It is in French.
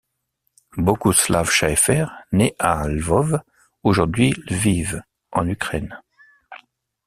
Bogusław Schaeffer naît à Lwów, aujourd'hui Lviv, en Ukraine.